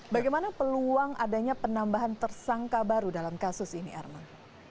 bagaimana peluang adanya penambahan tersangka baru dalam kasus ini arman